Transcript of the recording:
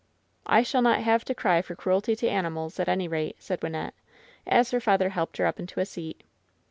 "I shall not have to cry for cruelty to animals, at any rate,'' said Wynnette, as her father helped her up into a seat.